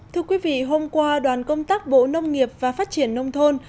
thưa quý vị hôm qua đoàn công tác bộ nông nghiệp và phát triển nông thôn